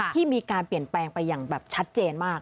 ที่มีการเปลี่ยนแปลงไปอย่างแบบชัดเจนมาก